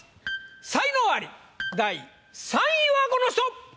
才能アリ第３位はこの人！